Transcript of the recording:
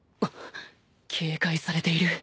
警戒されている